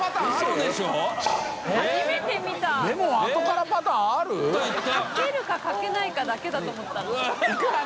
かけるかかけないかだけだと思ったら。